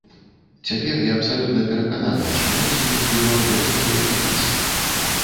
Цяпер я абсалютна перакананая, што маці ён збіваў гэтак жа, як і нас.